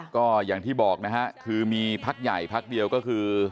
ก็อย่างที่บอกนะฮะคือมีพักใหญ่พักเดียวก็คือ